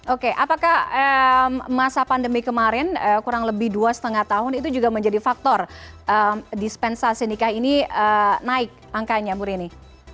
oke apakah masa pandemi kemarin kurang lebih dua lima tahun itu juga menjadi faktor dispensasi nikah ini naik angkanya bu rini